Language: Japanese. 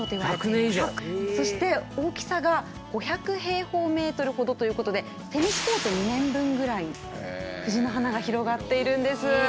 そして大きさが５００平方メートルほどということでぐらい藤の花が広がっているんです。